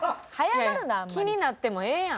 気になってもええやん。